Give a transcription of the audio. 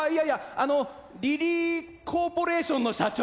あのリリー・コーポレーションの社長？